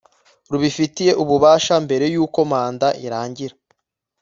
rubifitiye ububasha mbere y uko manda irangira